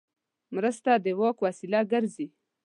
مرسته د واک وسیله ګرځي.